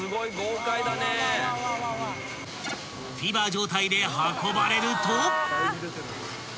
［フィーバー状態で運ばれると］